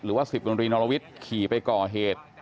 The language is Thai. หรือว่าศิษย์กรณีนรวิทธ์ขี่ไปก่อเหตุ